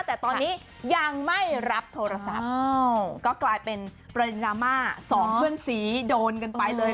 แต่ตอนนี้ยังไม่รับโทรศัพท์ก็กลายเป็นประเด็นดราม่าสองเพื่อนสีโดนกันไปเลย